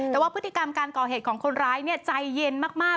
แต่ว่าพฤติกรรมการก่อเหตุของคนร้ายใจเย็นมาก